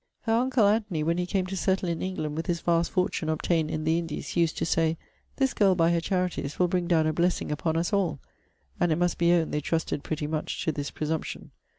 Her uncle Antony, when he came to settle in England with his vast fortune obtained in the Indies, used to say, 'This girl by her charities will bring down a blessing upon us all.' And it must be owned they trusted pretty much to this presumption.